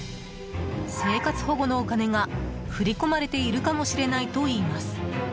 生活保護のお金が振り込まれているかもしれないといいます。